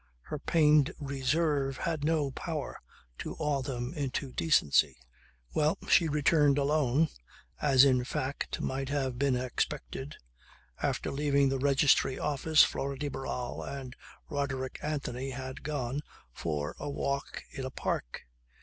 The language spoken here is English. Her pained reserve had no power to awe them into decency. Well, she returned alone as in fact might have been expected. After leaving the Registry Office Flora de Barral and Roderick Anthony had gone for a walk in a park.